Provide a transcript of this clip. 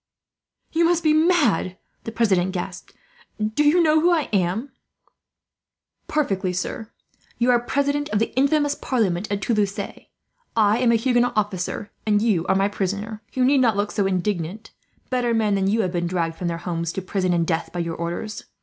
"You must be mad," the president gasped. "Do you know who I am?" "Perfectly, sir. You are president of the infamous parliament of Toulouse. I am a Huguenot officer, and you are my prisoner. You need not look so indignant; better men than you have been dragged from their homes, to prison and death, by your orders.